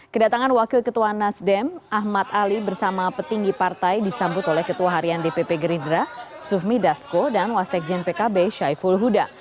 kedatangan wakil ketua nasdem ahmad ali bersama petinggi partai disambut oleh ketua harian dpp gerindra sufmi dasko dan wasekjen pkb syaiful huda